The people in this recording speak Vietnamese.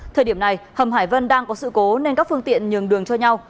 thời điểm này hầm hải vân đang có sự cố nên các phương tiện nhường đường cho nhau